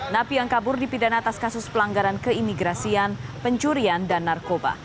napi yang kabur dipidana atas kasus pelanggaran keimigrasian pencurian dan narkoba